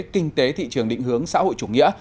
kinh tế thị trường định hướng xã hội chủ nghĩa